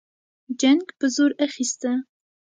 جنګ به زور اخیسته.